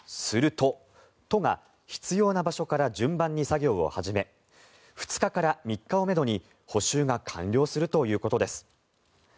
すると、都が必要な場所から順番に作業を始め２日から３日をめどに補修が完了するということです。